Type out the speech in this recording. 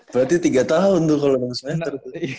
berarti tiga tahun tuh kalau enam semester